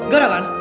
gak ada kan